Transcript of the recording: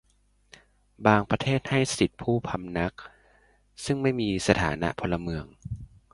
บางประเทศให้สิทธิผู้พำนัก ซึ่งไม่มีสถานะพลเมือง